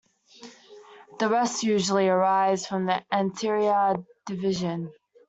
The rest usually arise from the anterior division.